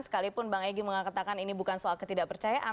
sekalipun bang egy mengatakan ini bukan soal ketidakpercayaan